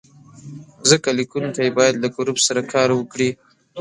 ځکه لیکونکی باید له ګروپ سره کار وکړي.